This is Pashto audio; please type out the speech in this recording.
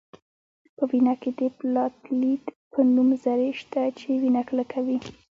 په وینه کې د پلاتیلیت په نوم ذرې شته چې وینه کلکوي